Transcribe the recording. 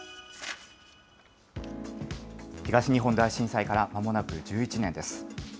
東日本大震災からまもなく１１年です。